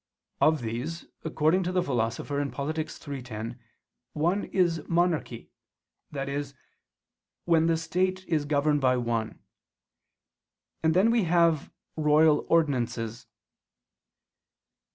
Of these, according to the Philosopher (Polit. iii, 10) one is monarchy, i.e. when the state is governed by one; and then we have _Royal Ordinances.